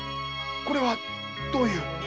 これはどういう？